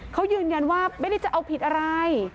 เขายืนยันว่าไม่ได้จะเอาผิดอะไร